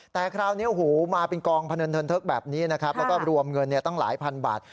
แต่คราวนี้หูมาเป็นกองพนันเทินเทิกแบบนี้นะครับแล้วก็รวมเงินตั้งหลายพันบาท